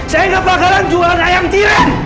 saya nggak bakalan jualan ayam tiram